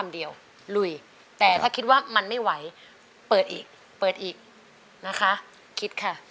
เดียวลุยแต่ถ้าคิดว่ามันไม่ไหวเปิดอีกเปิดอีกนะคะคิดค่ะ